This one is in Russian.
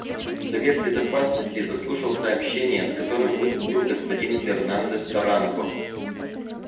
Совет Безопасности заслушал сообщение, с которым выступил господин Фернандес-Таранко.